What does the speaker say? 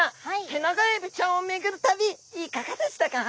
テナガエビちゃんを巡る旅いかがでしたか？